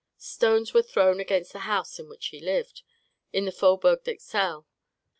Stones were thrown against the house in which he lived, in the Faubourg d'Ixelles.